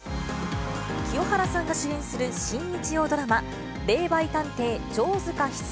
清原さんが主演する新日曜ドラマ、霊媒探偵・城塚翡翠。